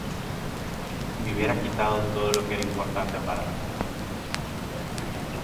Y me hubieras quitado todo lo que era importante para mí